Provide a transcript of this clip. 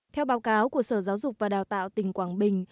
theo báo cáo của sở giáo dục và đào tạo tỉnh quảng bình